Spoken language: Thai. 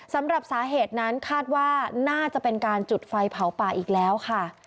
สำหรับสาเหตุนั้นคาดว่าน่าจะเป็นการจุดไฟเผาป่าอีกแล้วค่ะ